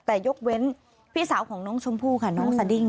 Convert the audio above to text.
แต่ยกเว้นพี่สาวของน้องชมพู่ค่ะน้องสดิ้ง